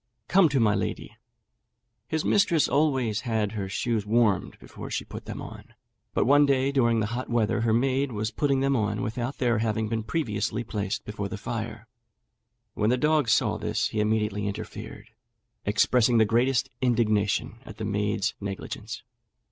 come to my lady." His mistress always had her shoes warmed before she put them on, but one day during the hot weather her maid was putting them on without their having been previously placed before the fire. When the dog saw this he immediately interfered, expressing the greatest indignation at the maid's negligence.